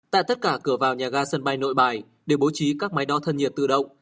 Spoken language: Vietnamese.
tại tất cả cửa vào nhà ga sân bay nội bài đều bố trí các máy đo thân nhiệt tự động